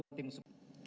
ya jadi kami duduk